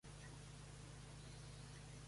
Franco recibe constantemente brillantes críticas.